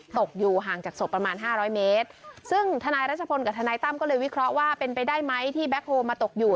ตกอยู่ห่างจากศพประมาณห้าร้อยเมตรซึ่งธนายรัชพลกับทนายตั้มก็เลยวิเคราะห์ว่าเป็นไปได้ไหมที่แก๊คโฮมาตกอยู่